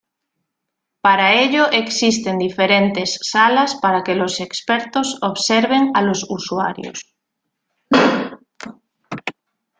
Para ello existen diferentes salas para que los expertos observen a los usuarios.